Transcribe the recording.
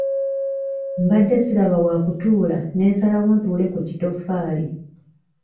Mbadde siraba wa kutuula ne nsalawo ntuule ku kitoffaali.